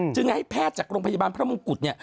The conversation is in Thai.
จึงให้แพทย์จากโรงพยาบาลพระมงกุฎเนี่ย